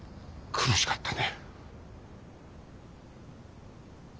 苦しかったね。